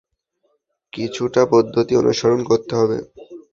কিছুটা পদ্ধতি অনুসরণ করতে হবে।